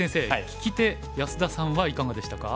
聞き手安田さんはいかがでしたか？